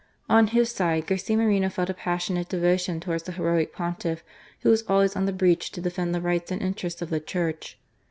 On his side, Garcia Moreno felt a passionate devotion towards the heroic Pontiff, who was always on the breach to defend the rights and interests of the Church.